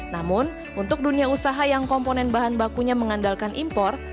namun untuk dunia usaha yang komponen bahan bakunya mengandalkan impor